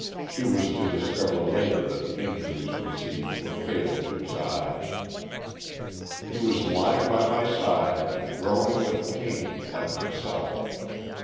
He was to discover later that the injuries received were fatal to his eyes. "He was lying by my side and groaning with pain like myself.